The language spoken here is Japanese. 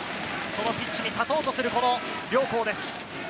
そのピッチに立とうとするこの両校です。